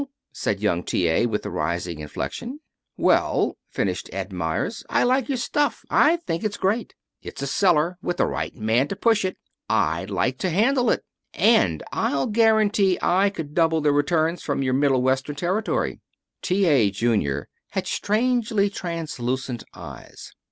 said young T. A., with the rising inflection. "Well," finished Ed Meyers, "I like your stuff. I think it's great. It's a seller, with the right man to push it. I'd like to handle it. And I'll guarantee I could double the returns from your Middle Western territory." T. A. Junior had strangely translucent eyes.